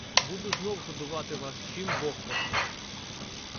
Буду знов годувати вас чим Бог пошле.